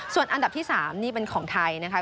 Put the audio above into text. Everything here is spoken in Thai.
ส่วนอันดับที่๓นี่เป็นของไทยนะคะ